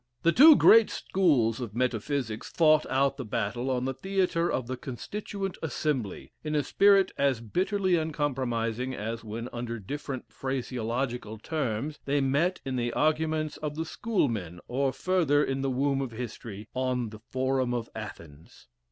The two great schools of metaphysics fought out the battle on the theatre of the Constituent Assembly, in a spirit as bitterly uncompromising as when under different phraseological terms, they met in the arguments of the School men, or further in the womb of history, on the forum of Athens.